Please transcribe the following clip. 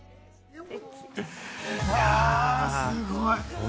いや、すごい！